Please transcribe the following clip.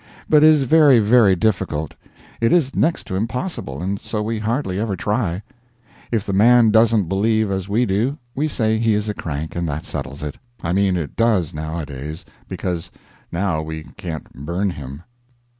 But it is very, very difficult; it is next to impossible, and so we hardly ever try. If the man doesn't believe as we do, we say he is a crank, and that settles it. I mean it does nowadays, because now we can't burn him.